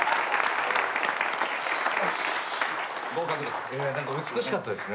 合格ですか？